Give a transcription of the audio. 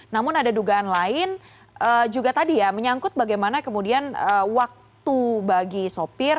namun ada dugaan lain juga tadi ya menyangkut bagaimana kemudian waktu bagi sopir